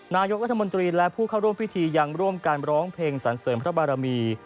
นายกรัฐมนตรีและผู้เข้าร่วมพิธียังร่วมกันร้องเพลงสรรเสริมพระบารมี